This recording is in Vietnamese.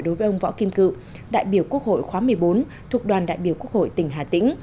đối với ông võ kim cựu đại biểu quốc hội khóa một mươi bốn thuộc đoàn đại biểu quốc hội tỉnh hà tĩnh